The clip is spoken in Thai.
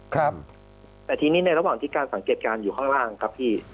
ครับแต่ทีนี้ในระหว่างที่การสังเกตการณ์อยู่ข้างล่างครับพี่